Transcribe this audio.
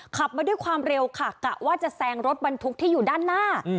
ขับมาด้วยความเร็วค่ะกะว่าจะแซงรถบรรทุกที่อยู่ด้านหน้า